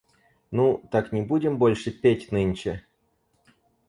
Ну, так не будем больше петь нынче?